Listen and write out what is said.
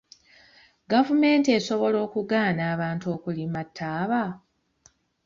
Gavumenti esobola okugaana abantu okulima ttaaba?